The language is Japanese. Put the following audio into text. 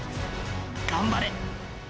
頑張れ。